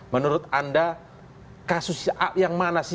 menurut anda kasus yang mana sih